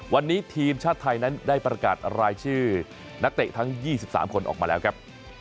วันนี้ทีมชาติไทยนั้นได้ประกาศรายชื่อนักเตะทั้ง๒๓คนออกมาแล้วครับ